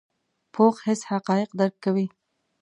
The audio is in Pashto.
پوخ حس حقایق درک کوي